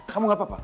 kamu gak apa apa